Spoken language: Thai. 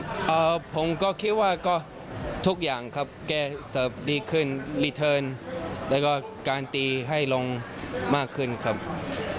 อ่าผมก็คิดว่าก็ทุกอย่างครับแกเสิร์ฟดีขึ้นรีเทิร์นแล้วก็การตีให้ลงมากขึ้นครับ